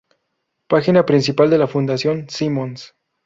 Página principal de la fundación Simons.